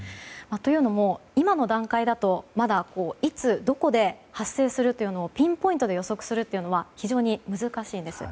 というのも、今の段階だと、まだいつ、どこで発生するというのをピンポイントで予測するのは非常に難しいです。